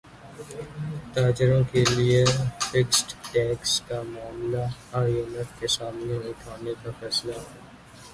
تاجروں کیلئے fixed tax کا معاملہ ائی ایم ایف کے سامنے اٹھانے کا فیصلہ